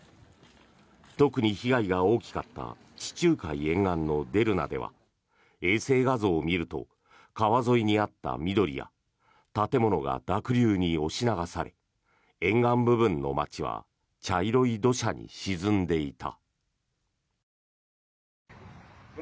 特に被害が大きかった地中海沿岸のデルナでは衛星画像を見ると川沿いにあった緑や建物が濁流に押し流され沿岸部分の街は茶色い土砂に沈んでいた。